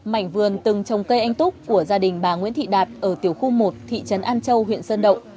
mảnh vườn từng trồng cây anh túc của gia đình bà nguyễn thị đạt ở tiểu khu một thị trấn an châu huyện sơn động